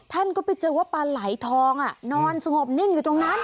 ท่านก็ไปเจอว่าปลาไหลทองนอนสงบนิ่งอยู่ตรงนั้น